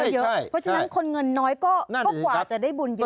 เพราะฉะนั้นคนเงินน้อยก็กว่าจะได้บุญเยอะก็ต้องใช้เวลา